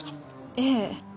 ええ。